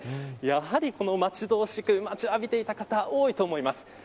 やはり、待ちわびていた方多いと思います。